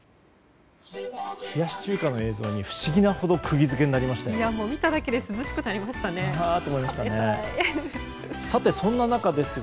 冷やし中華の映像に不思議なほど釘付けになりました。